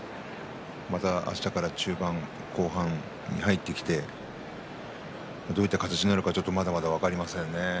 またあしたから中盤後半に入ってきて、どういった形になるかちょっとまだまだ分かりませんね。